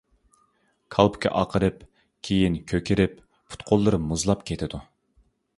كالپۇكى ئاقىرىپ، كېيىن كۆكىرىپ، پۇت-قوللىرى مۇزلاپ كېتىدۇ.